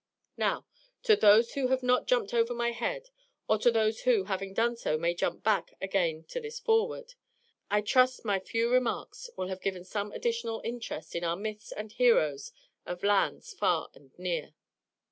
Now to those who have not jumped over my head, or to those who, having done so, may jump back to this foreword, I trust my few remarks will have given some additional interest in our myths and heroes of lands far and near.